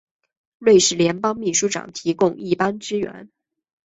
瑞士联邦秘书长提供一般支援。